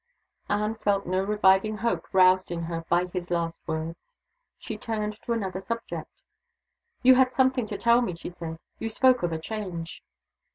Anne felt no reviving hope roused in her by his last words. She turned to another subject. "You had something to tell me," she said. "You spoke of a change."